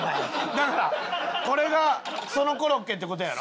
だからこれがそのコロッケって事やろ？